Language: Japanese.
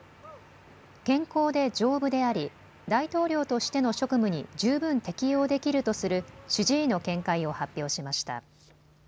健康で丈夫であり大統領としての職務に十分適応できるとする主治医の見解を発表しました。